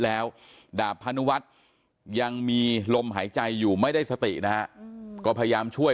แล้วดาบพนุวัฒน์ยังมีลมหายใจอยู่ไม่ได้สตินะฮะก็พยายามช่วย